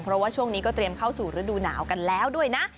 เพราะว่าช่วงนี้ก็เตรียมเข้าสู่ฤดูหนาวกันแล้วด้วยนะ